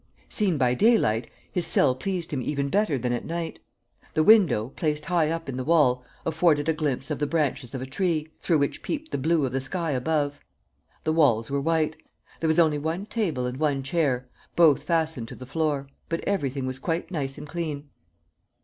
..." Seen by daylight, his cell pleased him even better than at night. The window, placed high up in the wall, afforded a glimpse of the branches of a tree, through which peeped the blue of the sky above. The walls were white. There was only one table and one chair, both fastened to the floor. But everything was quite nice and clean.